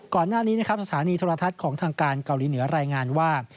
ก่อนหน้านี้นะครับสถานีโทรทัศน์ของทางการเกาหลีเหนือรายงานว่า